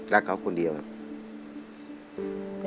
รักเขาคนเดียวครับ